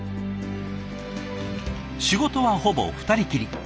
仕事はほぼ二人きり。